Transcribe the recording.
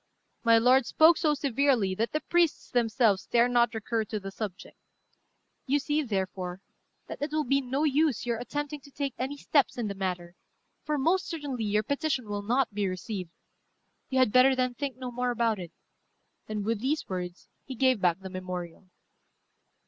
My lord spoke so severely that the priests themselves dare not recur to the subject. You see, therefore, that it will be no use your attempting to take any steps in the matter, for most certainly your petition will not be received. You had better, then, think no more about it." And with these words he gave back the memorial.